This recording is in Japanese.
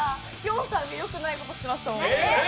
んさんがよくないことしましたもん。